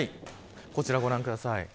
こちらご覧ください。